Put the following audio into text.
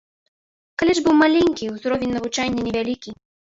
Каледж быў маленькі, узровень навучання невялікі.